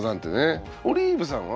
オリーブさんは？